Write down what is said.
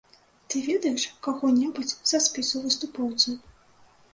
Ты ведаеш каго-небудзь са спісу выступоўцаў?